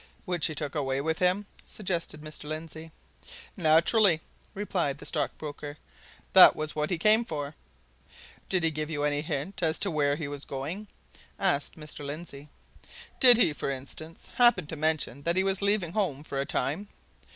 "Which he took away with him?" suggested Mr. Lindsey. "Naturally!" replied the stockbroker. "That was what he came for." "Did he give you any hint as to where he was going?" asked Mr. Lindsey. "Did he, for instance, happen to mention that he was leaving home for a time?"